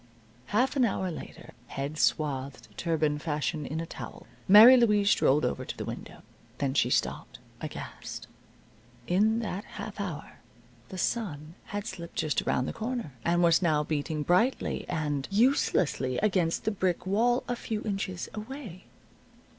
Half an hour later, head swathed turban fashion in a towel, Mary Louise strolled over to the window. Then she stopped, aghast. In that half hour the sun had slipped just around the corner, and was now beating brightly and uselessly against the brick wall a few inches away.